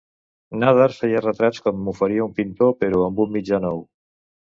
Nadar feia retrats com ho faria un pintor però amb un mitjà nou.